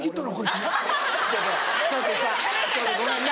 ちょっとさごめんな。